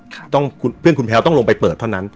ค่ะต้องคุณเพื่อนคุณแพลวต้องลงผ่วงส์เท่านั้น